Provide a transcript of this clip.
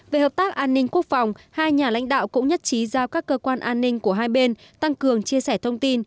về hợp tác an ninh quốc phòng hai nhà lãnh đạo cũng nhất trí giao các cơ quan an ninh của hai bên tăng cường chia sẻ thông tin